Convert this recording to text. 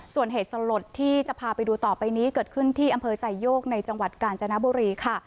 ส่วนเหตุสลดที่จะพาไปดูต่อไปนี้เกิดขึ้นที่อำเภอไซโยกในจังหวัดกาญจนบุรีค่ะ